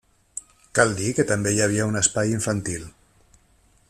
Cal dir que també hi havia un espai infantil.